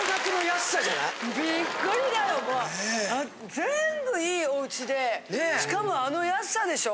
全部いいおうちでしかもあの安さでしょ？